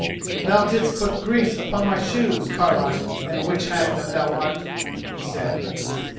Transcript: "Thou didst put grease upon my shoes, carline and witch hag that thou art," he said.